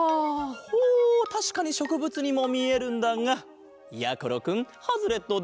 ほうたしかにしょくぶつにもみえるんだがやころくんハズレットだ。